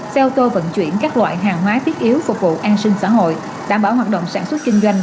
xe ô tô vận chuyển các loại hàng hóa thiết yếu phục vụ an sinh xã hội đảm bảo hoạt động sản xuất kinh doanh